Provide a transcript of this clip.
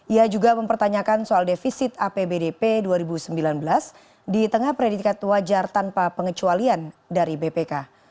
ia juga mempertanyakan soal defisit apbdp dua ribu sembilan belas di tengah predikat wajar tanpa pengecualian dari bpk